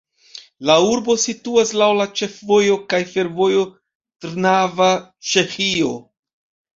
La urbo situas laŭ la ĉefvojo kaj fervojo Trnava-Ĉeĥio.